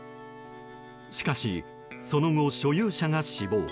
しかし、その後所有者が死亡。